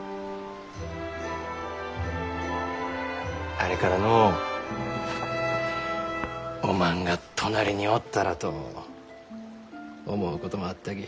あれからのうおまんが隣におったらと思うこともあったき。